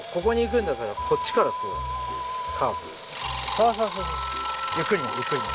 そうそうそうゆっくりねゆっくりね。